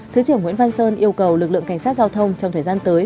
thứ trưởng nguyễn văn sơn yêu cầu lực lượng cảnh sát giao thông trong thời gian tới